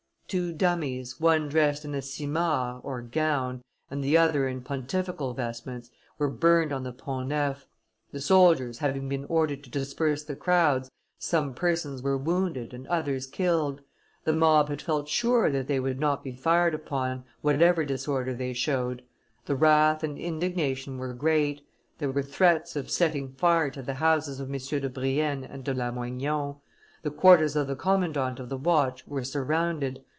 Two dummies, one dressed in a simarre (gown) and the other in pontifical vestments, were burned on the Pont Neuf: the soldiers, having been ordered to disperse the crowds, some persons were wounded and others killed; the mob had felt sure that they would not be fired upon, whatever disorder they showed; the wrath and indignation were great; there were threats of setting fire to the houses of MM. de Brienne and de Lamoignon; the quarters of the commandant of the watch were surrounded.